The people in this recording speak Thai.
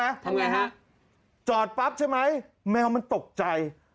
แมวทำไงรู้ไหมทำไงครับจอดปั๊บใช่ไหมแมวมันตกใจ